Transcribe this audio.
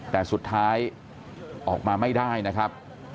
แต่สุดท้ายออกมาไม่ได้นะครับ